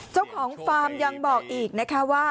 เจ้าของฟาร์มยังบอกอีกนะคะว่า